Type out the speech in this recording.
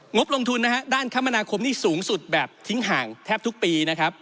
บลงทุนนะฮะด้านคมนาคมนี่สูงสุดแบบทิ้งห่างแทบทุกปีนะครับ